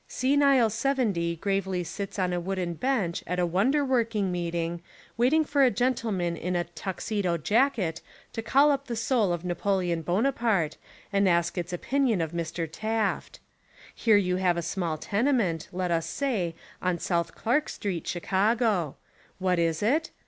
Senile Seventy gravely sits on a wooden bench at a wonder working meeting, waiting for a gentle man in a "Tuxedo" jacket to call up the soul of Napoleon Bonaparte, and ask Its opinion of Mr. Taft. Here you have a small tenement, let us say, on South Clark St, Chicago. What is It?